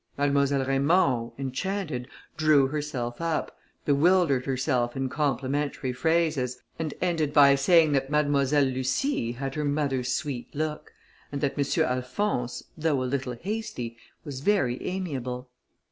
Mademoiselle Raymond, enchanted, drew herself up, bewildered herself in complimentary phrases, and ended by saying that Mademoiselle Lucie had her mother's sweet look, and that M. Alphonse, though a little hasty, was very amiable.